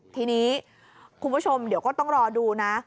ทีนี้คุณผู้ชมเดี๋ยวก็ต้องรอดูนะ